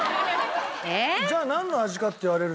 じゃあ何の味かって言われると。